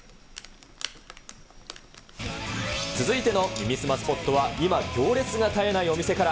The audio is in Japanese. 続いての耳すまスポットは今、行列が絶えないお店から。